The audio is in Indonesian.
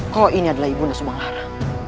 kalau ini adalah ibu nda subang lara